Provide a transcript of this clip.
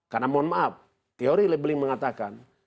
karena mohon maaf teori labeling mengatakan